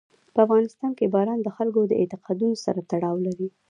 په افغانستان کې باران د خلکو د اعتقاداتو سره تړاو لري.